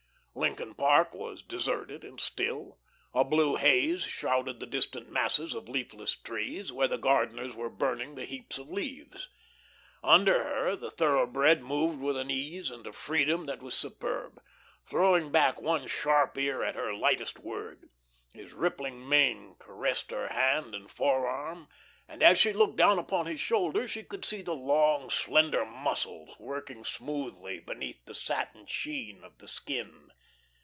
Lincoln Park was deserted and still; a blue haze shrouded the distant masses of leafless trees, where the gardeners were burning the heaps of leaves. Under her the thoroughbred moved with an ease and a freedom that were superb, throwing back one sharp ear at her lightest word; his rippling mane caressed her hand and forearm, and as she looked down upon his shoulder she could see the long, slender muscles, working smoothly, beneath the satin sheen of the skin.